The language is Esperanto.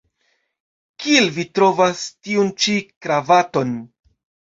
Kiel vi trovas tiun ĉi kravaton?